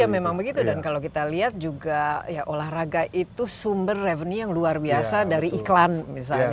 ya memang begitu dan kalau kita lihat juga ya olahraga itu sumber revenue yang luar biasa dari iklan misalnya